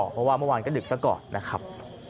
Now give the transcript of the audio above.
เพราะว่าเมื่อวานก็ดึกซะก่อนนะครับ